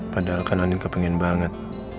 padahal kan andin kepengen banget